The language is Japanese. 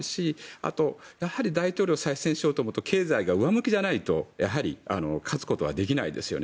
あとやはり大統領に再選しようとすると経済が上向きじゃないと、やはり勝つことはできないですよね。